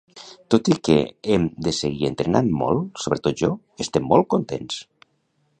Tot i que hem de seguir entrenant molt, sobretot jo, estem molt contents!